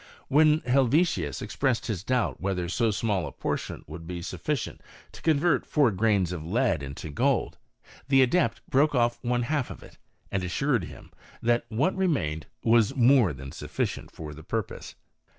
When Helvetius expressed his doubt whether so small a portion would be sufficient to convert four grains of lead into gold, the adept broke off one half of it, and assured him that what remained was more than sufficient for the purpose.